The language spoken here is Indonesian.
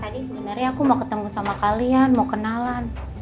tadi sebenarnya aku mau ketemu sama kalian mau kenalan